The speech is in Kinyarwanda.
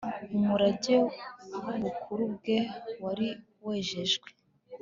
umurage wu bukuru bwe wari warejejwe